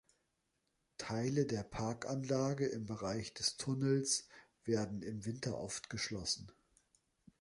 Teile der Parkanlage im Bereich der Tunnels werden im Winter oft geschlossen.